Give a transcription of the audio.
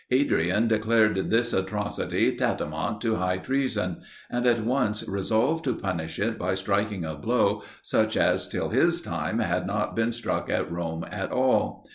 Adrian declared this atrocity tantamount to high treason, and at once resolved to punish it by striking a blow such as till his time had not been struck at Rome at all.